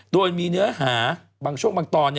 โดยมีเนื้อหาบางช่วงบางตอน